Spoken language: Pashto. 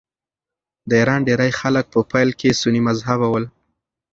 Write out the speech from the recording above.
د ایران ډېری خلک په پیل کې سني مذهبه ول.